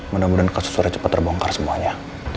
mudah mudahan kasusnya cepat terbongkar semuanya